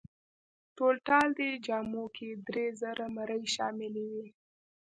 ټولټال دې جامو کې درې زره مرۍ شاملې وې.